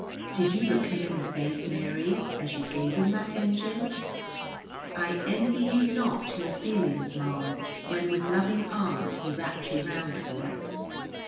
Did you look him in the face, Mary, as you gave him that engine? I envy you not your feelings, ma'am, when with loving arms he wrapped you round for it.